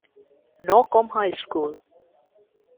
Norcom High School.